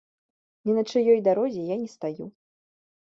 Ні на чыёй дарозе я не стаю.